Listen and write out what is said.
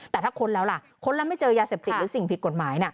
แต่ถ้าค้นแล้วล่ะค้นแล้วไม่เจอยาเสพติดหรือสิ่งผิดกฎหมาย